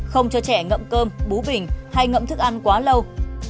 không cho trẻ ngậm cơm bú bình hay ngẫm thức ăn quá lâu